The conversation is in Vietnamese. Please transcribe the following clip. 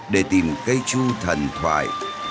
để tìm cây chu thần thoại